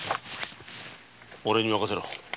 おれに任せろ。